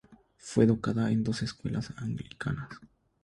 Fue educada en dos escuelas anglicanas.